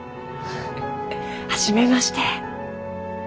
フフ初めまして！